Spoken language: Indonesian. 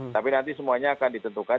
tapi nanti semuanya akan ditentukan